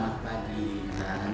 buat nailah dan intan